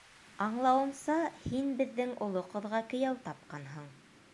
Аңлауымса, һин беҙҙең оло ҡыҙға кейәү тапҡанһың.